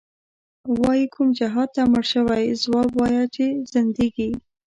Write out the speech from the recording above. وایې کوم جهادته مړ شوی، ځواب وایه چی ځندیږی